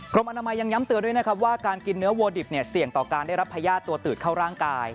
กรมอนามัยยังย้ำเตือนด้วยนะครับว่าการกินเนื้อวัวดิบเสี่ยงต่อการได้รับพญาติตัวตืดเข้าร่างกาย